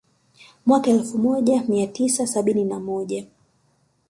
Mwaka elfumoja miatisa sabini na moja